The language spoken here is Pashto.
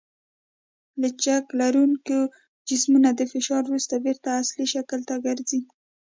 لچک لرونکي جسمونه د فشار وروسته بېرته اصلي شکل ته ګرځي.